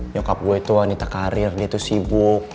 nyokap gue itu wanita karir dia tuh sibuk